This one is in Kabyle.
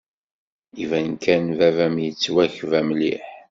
Iban kan baba-m yettwakba mliḥ.